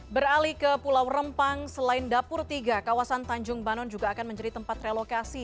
beralih ke pulau rempang selain dapur tiga kawasan tanjung banon juga akan menjadi tempat relokasi